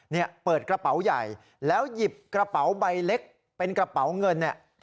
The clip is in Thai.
เนี่ยเปิดกระเป๋าใหญ่แล้วหยิบกระเป๋าใบเล็กเป็นกระเป๋าเงินเนี่ย